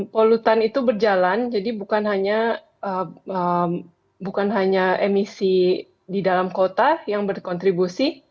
polutan itu berjalan jadi bukan hanya emisi di dalam kota yang berkontribusi